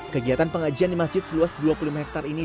kegiatan pengajian di masjid seluas dua puluh hektare ini